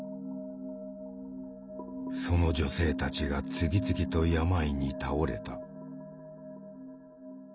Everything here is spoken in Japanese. その女性たちが次々と病に倒れた。